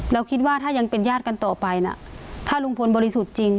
เราคิดว่าถ้ายังเป็นญาติกันต่อไปนะถ้าลุงพลบริสุทธิ์จริง